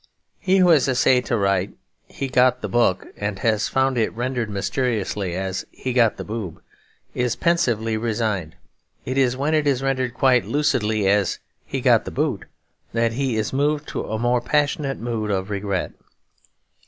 He who has essayed to write 'he got the book,' and has found it rendered mysteriously as 'he got the boob' is pensively resigned. It is when it is rendered quite lucidly as 'he got the boot' that he is moved to a more passionate mood of regret.